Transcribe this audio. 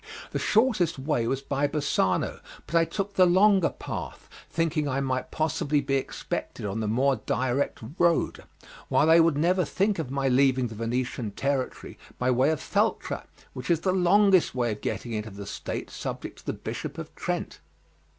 The shortest way was by Bassano, but I took the longer path, thinking I might possibly be expected on the more direct road, while they would never think of my leaving the Venetian territory by way of Feltre, which is the longest way of getting into the state subject to the Bishop of Trent.